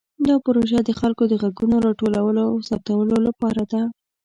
دا پروژه د خلکو د غږونو راټولولو او ثبتولو لپاره ده.